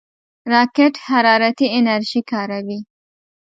راکټ حرارتي انرژي کاروي